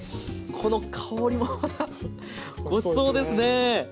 この香りもまたごちそうですね！